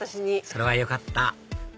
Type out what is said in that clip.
それはよかった！